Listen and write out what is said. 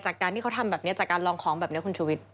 จากการที่เขาทำแบบนี้จากการลองของแบบนี้คุณชุวิต